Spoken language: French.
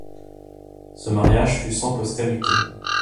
Ce mariage fut sans postérité.